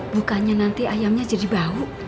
bukannya nanti ayamnya jadi bau